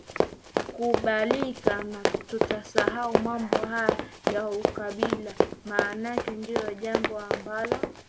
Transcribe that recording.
kubalika na tusahau mambo haya ya ukabila maanake ndio jambo ambalo